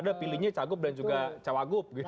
ada pilihnya cagup dan juga cawagup